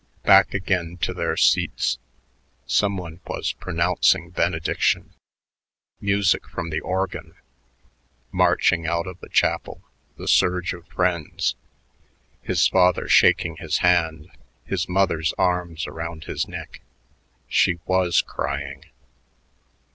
Back again to their seats. Some one was pronouncing benediction.... Music from the organ marching out of the chapel, the surge of friends his father shaking his hand, his mother's arms around his neck; she was crying....